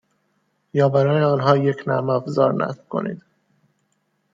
یا برای آنها یک نرم افزار نصب کنید.